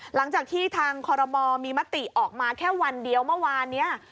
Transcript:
หลังจากที่ทางคอรมอลมีมติออกมาแค่วันเดียวเมื่อวานนี้